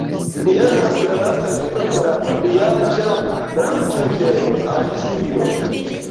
Li estas la lasta viro de la pliaĝa branĉo de Anĵuo.